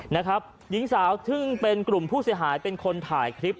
นะครับหญิงสาวซึ่งเป็นกลุ่มผู้เสียหายเป็นคนถ่ายคลิป